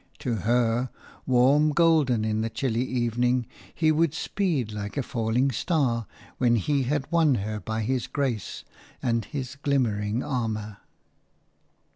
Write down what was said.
To her, warm golden in the chilly evening, he would speed like a falling star, when he had won her by his grace and his glimmering armour.